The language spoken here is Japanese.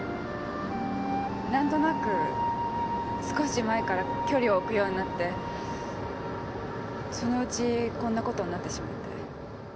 何となく少し前から距離を置くようになってそのうちこんなことになってしまって。